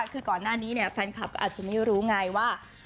คือก่อนหน้านี้เนี่ยแฟนคลับก็อาจจะไม่รู้ไงว่า